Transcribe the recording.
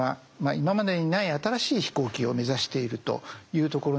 今までにない新しい飛行機を目指しているというところなんですね。